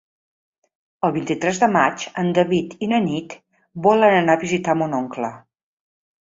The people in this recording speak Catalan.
El vint-i-tres de maig en David i na Nit volen anar a visitar mon oncle.